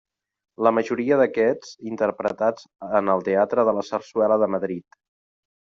La majoria d'aquests interpretats en el Teatre de la Sarsuela de Madrid.